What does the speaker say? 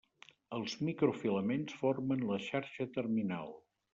Els microfilaments formen la xarxa terminal.